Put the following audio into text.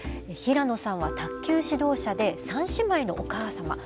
平野さんは卓球指導者で三姉妹のお母様。